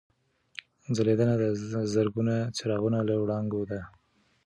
ځلېدنه د زرګونو څراغونو له وړانګو ده.